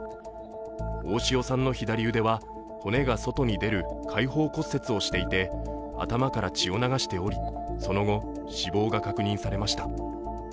大塩さんの左腕は骨が外に出る開放骨折をしていて頭から血を流しておりその後、死亡が確認されました。